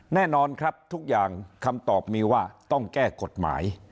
แน่นอนครับทุกอย่างคำตอบมีว่าต้องแก้กฎหมาย